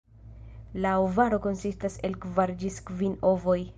La ovaro konsistas el kvar ĝis kvin ovoj.